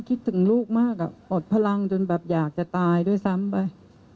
คิดถึงลูกมากอดพลังจนแบบอยากจะตายด้วยซ้ำไป